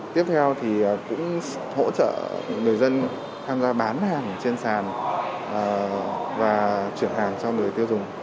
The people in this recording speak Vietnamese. tiếp theo thì cũng hỗ trợ người dân tham gia bán hàng trên sàn và chuyển hàng cho người tiêu dùng